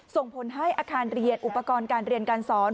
ส่งผลให้อาคารเรียนอุปกรณ์การเรียนการสอน